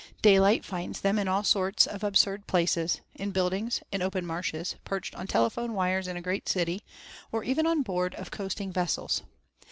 Daylight finds them in all sorts of absurd places, in buildings, in open marshes, perched on telephone wires in a great city, or even on board of coasting vessels.